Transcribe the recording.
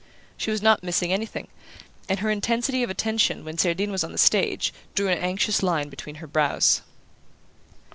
She was not missing anything, and her intensity of attention when Cerdine was on the stage drew an anxious line between her brows.